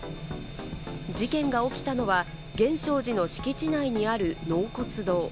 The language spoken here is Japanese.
事件が起きたのは源証寺の敷地内にある納骨堂。